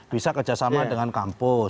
bisa kerjasama dengan kampus